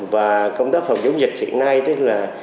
và công tác phòng chống dịch hiện nay tức là